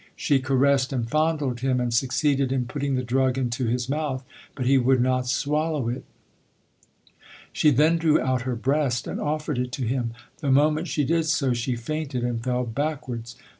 She caressed and fondled him and succeeded in putting the drug into his mouth, but he would not swallow it. She then drew out her breast, and offered it to him. The moment she did so she fainted and fell back wards.